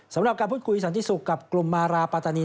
สำหรับการพูดคุยสันติสุขกับกลุ่มมาราปาตานี